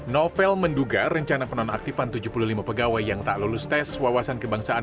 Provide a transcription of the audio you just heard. novel menduga rencana penonaktifan tujuh puluh lima pegawai yang tak lulus tes wawasan kebangsaan